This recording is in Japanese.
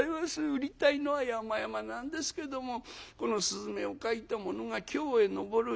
売りたいのはやまやまなんですけどもこの雀を描いた者が『京へ上る。